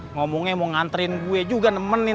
ngomongnya mau nganterin gue juga nemenin